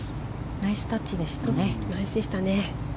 ナイスタッチでしたね。